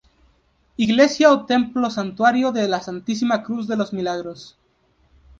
Iglesia o Templo Santuario de la Santísima Cruz de los Milagros